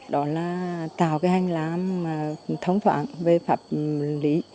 đó là tạo cái hành lang thông thoáng về pháp lý